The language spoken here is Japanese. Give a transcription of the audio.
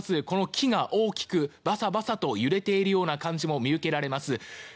木が大きくバサバサと揺れているような感じも見受けられます。